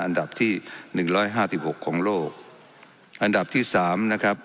อันดับที่หนึ่งร้อยห้าสิบหกของโลกอันดับที่สามนะครับ